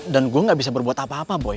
dan gue gak bisa berbuat apa apa boy